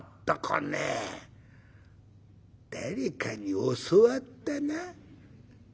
誰かに教わったな。